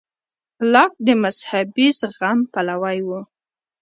لاک د مذهبي زغم پلوی و.